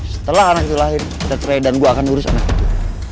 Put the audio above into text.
setelah anak itu lahir kita cerai dan gue akan ngurus anak itu